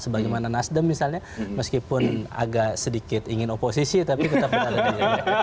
sebagaimana nasdem misalnya meskipun agak sedikit ingin oposisi tapi tetap berada di luar